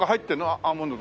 アーモンドとか。